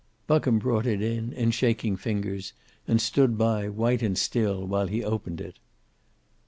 Buckham brought it in in shaking fingers, and stood by, white and still, while he opened it.